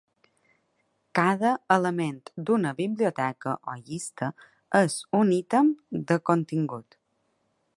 Cada element d'una biblioteca o llista és un ítem de contingut.